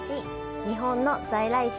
日本の在来種・